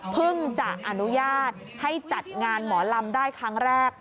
จะอนุญาตให้จัดงานหมอลำได้ครั้งแรก